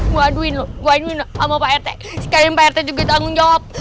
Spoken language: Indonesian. gua aduin lo gua aduin lo sama pak rt sekarang pak rt juga tanggung jawab